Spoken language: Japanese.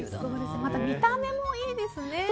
また見た目もいいですね。